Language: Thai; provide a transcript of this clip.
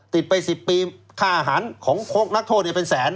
ติดไป๑๐ปีค่าอาหารของนักโทษเป็นแสน